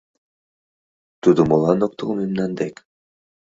Тудо молан ок тол мемнан дек?